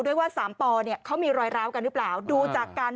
ด้วยว่าสามปอเนี่ยเขามีรอยร้าวกันหรือเปล่าดูจากการ